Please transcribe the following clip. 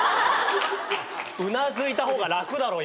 うなずいた方が楽だろう